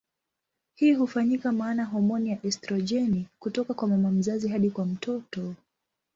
Hii hufanyika maana homoni ya estrojeni hutoka kwa mama mzazi hadi kwa mtoto.